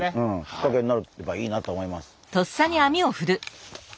きっかけになればいいなと思います。